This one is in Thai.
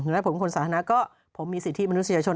และผมเป็นคนสาธารณะก็ผมมีสิทธิมนุษยชน